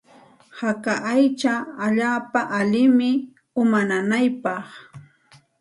Haka aycha allaapa allinmi uma nanaypaq.